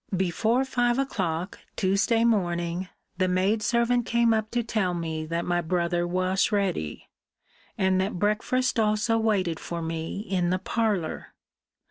Before five o'clock (Tuesday morning) the maidservant came up to tell me that my brother was ready, and that breakfast also waited for me in the parlour.